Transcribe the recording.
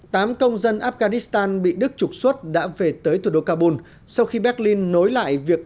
tám công dân afghanistan bị đức trục xuất đã về tới thủ đô kabul sau khi berlin nối lại việc